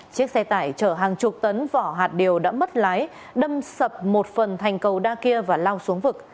chiếc xe tải chở hàng chục tấn vỏ hạt điều đã mất lái đâm sập một phần thành cầu đa kia và lao xuống vực